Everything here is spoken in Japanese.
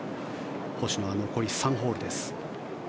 星野は残り３ホールです。